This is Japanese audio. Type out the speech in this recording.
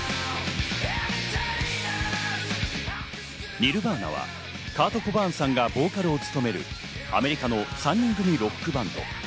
ニルヴァーナはカート・コバーンさんがボーカルを務めるアメリカの３人組ロックバンド。